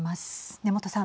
根本さん。